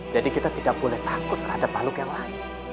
jadi kita tidak boleh takut terhadap makhluk yang lain